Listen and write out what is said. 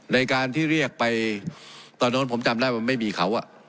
ในการที่เรียกไปตอนนั้นผมจำได้ว่าไม่มีเขา